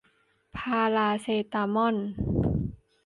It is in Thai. พาราเซตามอล